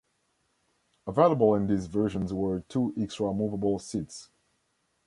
Available in these versions were two extra movable seats.